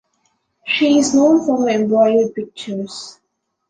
She is known for her embroidered pictures.